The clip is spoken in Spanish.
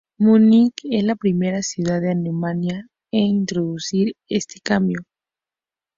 Múnich es la primera ciudad de Alemania en introducir este cambio.